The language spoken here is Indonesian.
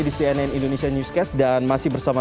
di cnn indonesia newscast dan masih bersama